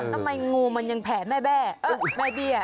ทำไมงูมันยังแผนแม่แบ้แม่เบี้ย